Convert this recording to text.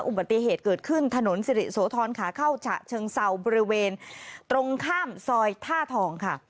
อุบัติเหตุเกิดขึ้นถนนสิริโสธรขาเข้าฉะเชิงเศร้าบริเวณตรงข้ามซอยท่าทองค่ะ